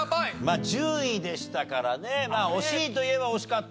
１０位でしたからね惜しいといえば惜しかったんでしょうが。